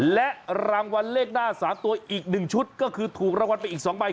และรางวัลเลขหน้า๓ตัวอีก๑ชุดก็คือถูกรางวัลไปอีก๒ใบ